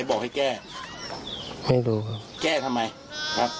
กลับมาห่วงตัว